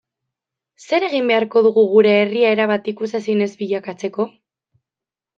Zer egin beharko dugu gure herria erabat ikusezin ez bilakatzeko?